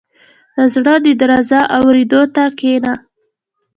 • د زړه د درزا اورېدو ته کښېنه.